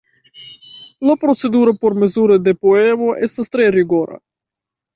La proceduro por mezuro de poemo estas tre rigora.